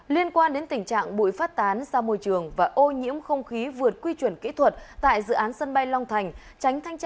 liên quan đến tình trạng bụi phát tán ra môi trường và ô nhiễm không khí vượt quy chuẩn kỹ thuật tại dự án sân bay long thành